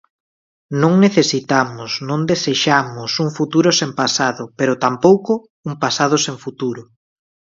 Non necesitamos, non desexamos, un futuro sen pasado, pero tampouco un pasado sen futuro.